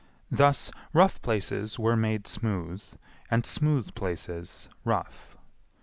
Thus rough places were made smooth, and smooth places rough.